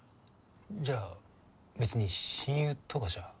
じゃあべつに親友とかじゃ。